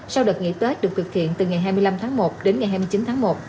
sau đợt nghỉ tết được thực hiện từ ngày hai mươi năm tháng một đến ngày hai mươi chín tháng một